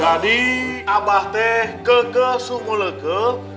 jadi abah teh kege sungguh lege